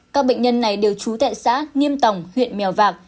các bệnh nhân này đều trú tại xã nghiêm tổng huyện mèo vạc